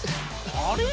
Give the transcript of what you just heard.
あれ？